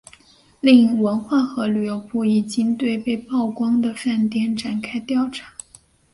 另文化和旅游部已经对被曝光的饭店展开调查。